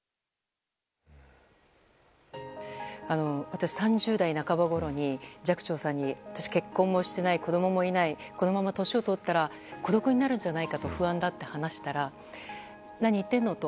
私、３０代半ばごろに寂聴さんに結婚もしていない、子供もいないこのまま年を取ったら孤独になるんじゃないかと不安だって話したら何、言ってるのって。